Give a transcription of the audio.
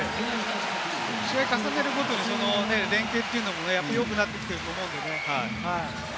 試合を重ねるごとに連係というのもよくなってきていると思うので。